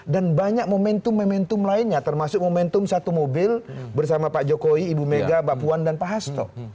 dan banyak momentum momentum lainnya termasuk momentum satu mobil bersama pak jokowi ibu mega bapuan dan pak hasto